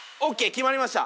決まりました。